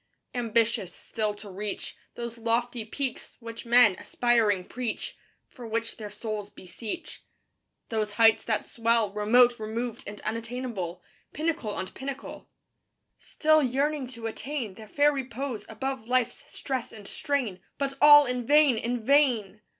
Ambitious still to reach Those lofty peaks, which men, aspiring, preach, For which their souls beseech: Those heights that swell Remote, removed, and unattainable, Pinnacle on pinnacle: Still yearning to attain Their far repose, above life's stress and strain, But all in vain, in vain!...